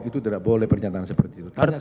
itu tidak boleh pernyataan seperti itu